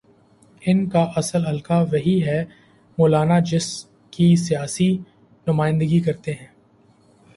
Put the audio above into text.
ان کا اصل حلقہ وہی ہے، مولانا جس کی سیاسی نمائندگی کرتے ہیں۔